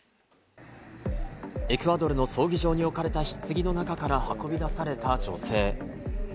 エクアドルの葬儀場に置かれたひつぎの中から運び出された女性。